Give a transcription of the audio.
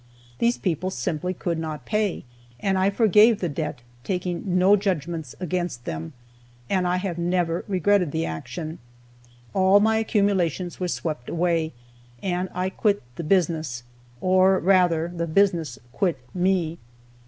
These people simply could not pay, and I forgave the debt, taking no judgments against them, and I have never regretted the action. All my accumulations were swept away, and I quit the business or, rather, the business quit me.